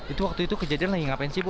itu waktu itu kejadian lagi ngapain sih bu